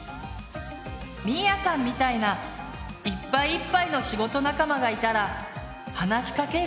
みーやさんみたいないっぱいいっぱいの仕事仲間がいたら話しかける？